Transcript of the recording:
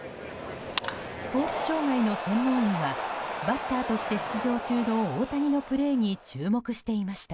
スポーツ障害の専門医はバッターとして出場中の大谷のプレーに注目していました。